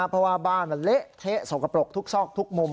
เพราะว่าบ้านมันเละเทะสกปรกทุกซอกทุกมุม